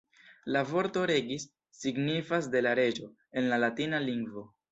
La vorto ""regis"" signifas ""de la reĝo"" en la latina lingvo.